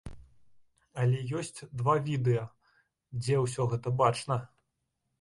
Але ёсць відэа, дзе ўсё гэта бачна.